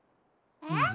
えっ？